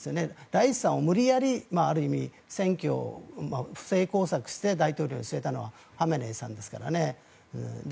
ライシさんを無理やりある意味、選挙を不正工作して大統領に据えたのはハメネイさんですからね。